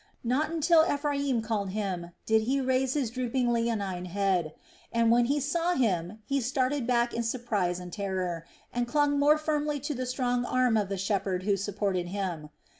Not until Ephraim called him did he raise his drooping leonine head, and when he saw him he started back in surprise and terror, and clung more firmly to the strong arm of the shepherd who supported him.